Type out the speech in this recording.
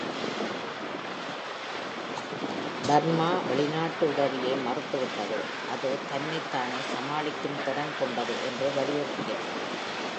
Burma வெளிநாட்டு உதவியை மறுத்துவிட்டது, அது தன்னைத்தானே சமாளிக்கும் திறன் கொண்டது என்று வலியுறுத்தியது.